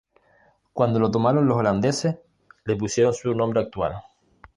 Cuando la tomaron los holandeses, le pusieron su nombre actual.